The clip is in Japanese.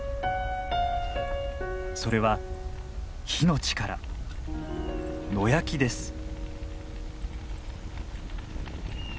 それは火の力野焼きです。